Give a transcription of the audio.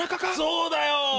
そうだよ！